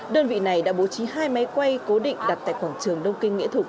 đơn vị này đã bố trí hai máy quay cố định đặt tại quảng trường đông kinh nghĩa thục